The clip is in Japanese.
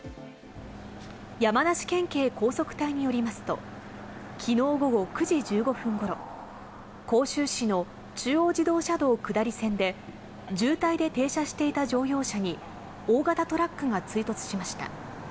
山梨県警高速隊によりますと、昨日午後９時１５分頃、甲州市の中央自動車道下り線で渋滞で停車していた乗用車に大型トラックが追突しました。